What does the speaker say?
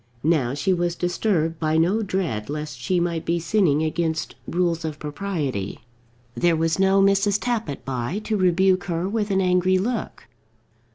Now she was disturbed by no dread lest she might be sinning against rules of propriety. There was no Mrs. Tappitt by, to rebuke her with an angry look.